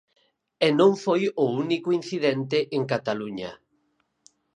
E non foi o único incidente en Cataluña.